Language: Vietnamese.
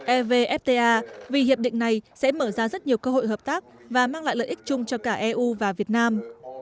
evfta vì hiệp định này sẽ mở ra rất nhiều cơ hội hợp tác và mang lại lợi ích chung cho cả eu và việt nam